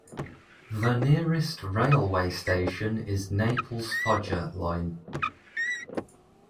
The nearest railway station is Naples-Foggia line.